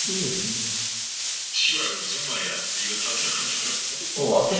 그리고 덕호가 첩살림하고 있는 아랫 마을을 돌아보았다.